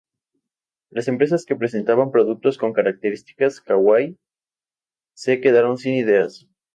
Las empresas que presentaban productos con características "kawaii" se quedaron sin ideas.